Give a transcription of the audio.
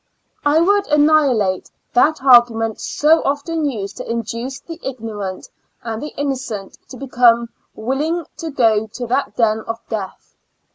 I would annihilate that argument so often •used to induce the ignorant and the innocent to become willing to go to that den of death!